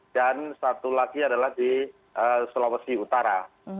satu lagi adalah di sulawesi utara